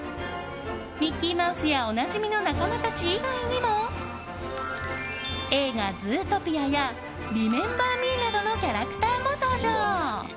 ミッキーマウスやおなじみの仲間たち以外にも映画「ズートピア」や「リメンバー・ミー」などのキャラクターも登場。